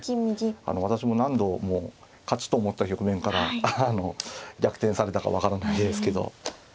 私も何度も勝ちと思った局面から逆転されたか分からないですけど。